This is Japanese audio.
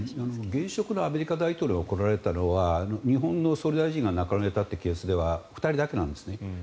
現職のアメリカ大統領が来られたのは日本の総理大臣が亡くなられたというケースでは２人だけなんですね。